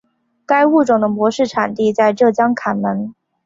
该物种的模式产地在浙江坎门。